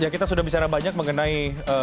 kita sudah bicara banyak mengenai